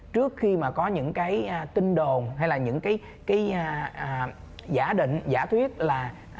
trước khi mà có những cái tin đồn hay là những cái giả định giả thuyết là